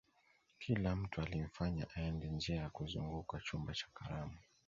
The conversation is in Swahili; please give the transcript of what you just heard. kila mtu alimfanya aende njia ya kuzunguka chumba cha karamu